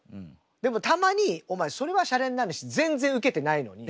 でもたまにお前それはシャレになんないし全然ウケてないのに。